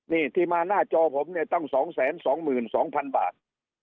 นี่ที่มาหน้าจอผมเนี่ยตั้ง๒๒๒๐๐๐บาท